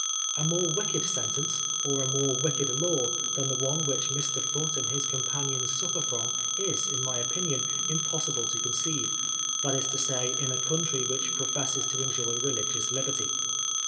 A more wicked sentence, or a more wicked law, than tne one which Mr. Foote and his companions suffer from, is, in my opinion, impossible to conceive, that IS to say in a country which professes to enjoy religious liberty.